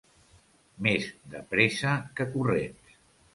Més de pressa que corrents.